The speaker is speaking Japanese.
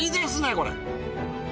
これ。